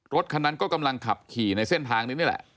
รถคันนั้นก็กำลังขับขี่ในเส้นทางนี้นี่แหละ